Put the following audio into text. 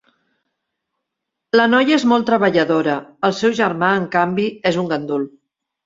La noia és molt treballadora; el seu germà, en canvi, és un gandul.